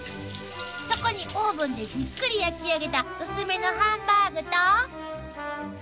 ［そこにオーブンでじっくり焼きあげた薄めのハンバーグと］